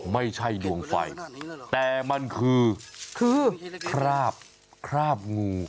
ไม่ใช่ดวงไฟแต่มันคือคือคราบคราบงู